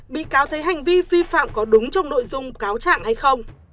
bị cáo thấy hành vi vi phạm có đúng trong nội dung cáo trạng hay không